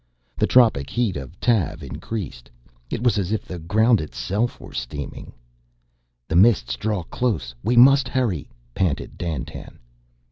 The tropic heat of Tav increased; it was as if the ground itself were steaming. "The Mists draw close; we must hurry," panted Dandtan.